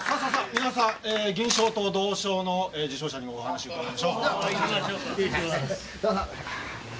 皆さん銀賞と銅賞の受賞者にもお話を伺いましょう。